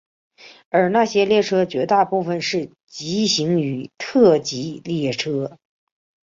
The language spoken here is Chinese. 而那些列车绝大部分是急行与特急列车。